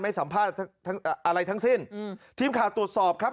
ไม่สัมภาษณ์อะไรทั้งสิ้นทีมข่าวตรวจสอบครับ